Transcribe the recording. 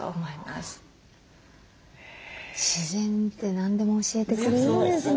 自然って何でも教えてくれるんですね。